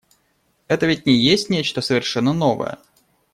Это ведь не есть нечто совершенно новое.